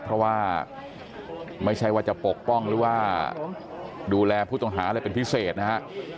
เพราะว่าไม่ใช่ว่าจะปกป้องหรือว่าดูแลผู้ต้องหาอะไรเป็นพิเศษนะฮะ